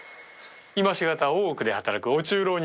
今し方大奥で働くお中老になってな